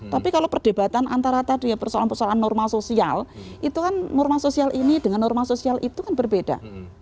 tapi kalau perdebatan antara tadi ya persoalan persoalan normal sosial itu kan norma sosial ini dengan norma sosial itu kan berbeda